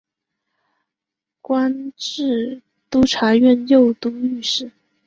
官至都察院右都御史。